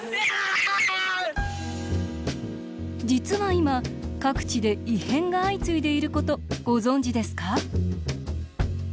実は今各地で異変が相次いでいることご存じですか？